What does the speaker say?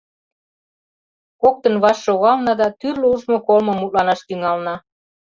Коктын ваш шогална да тӱрлӧ ужмо-колмым мутланаш тӱҥална.